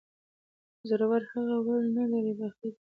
د زورورهغې ول نه لري ،بخۍ دى.